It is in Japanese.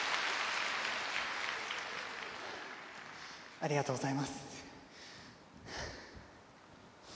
ありがとうございます。